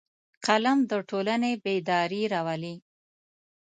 قلم د ټولنې بیداري راولي